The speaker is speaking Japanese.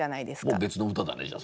もう別の歌だねじゃあ。